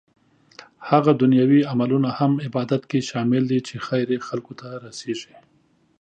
هغه دنيوي عملونه هم عبادت کې شامل دي چې خير يې خلکو ته رسيږي